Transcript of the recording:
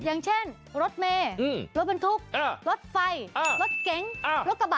อย่างเช่นรถเมย์รถบรรทุกรถไฟรถเก๋งรถกระบะ